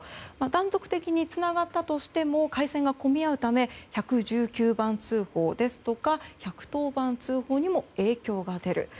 断続的につながったとしても回線が混み合うため１１９番通報ですとか１１０番通報にも影響が出る。